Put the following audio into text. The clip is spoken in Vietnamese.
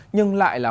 nhưng lại là